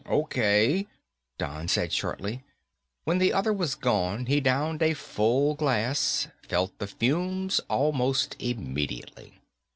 "Okay," Don said shortly. When the other was gone he downed a full glass, felt the fumes almost immediately.